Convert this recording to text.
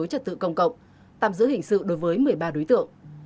trật tự công cộng tạm giữ hình sự đối với một mươi ba đối tượng